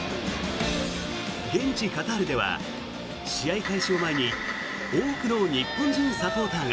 現地カタールでは試合開始を前に多くの日本人サポーターが。